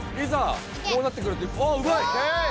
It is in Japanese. あうまい！